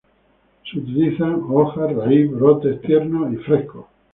Se utilizan: Hojas, raíz, brotes tiernos y frescos.